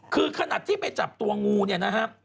คือขนาดที่ไปจับตัวงูเนี่ยนะครับ